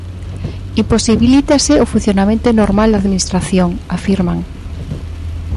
Imposibilítase o funcionamento normal da administración, afirman.